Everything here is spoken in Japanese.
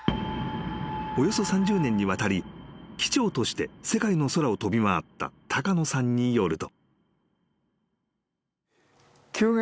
［およそ３０年にわたり機長として世界の空を飛び回った高野さんによると］